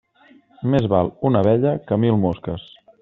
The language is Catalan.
Més val una abella que mil mosques.